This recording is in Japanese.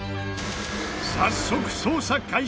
早速捜査開始！